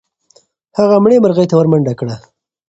هغه مړې مرغۍ ته ورمنډه کړه.